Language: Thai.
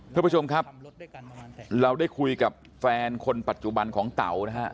ท่านผู้ชมครับเราได้คุยกับแฟนคนปัจจุบันของเต๋านะฮะ